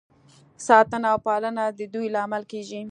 ساتنه او پالنه د ودې لامل کیږي.